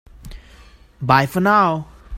Bye for now!